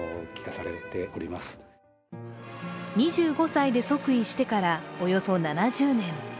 ２５歳で即位してからおよそ７０年。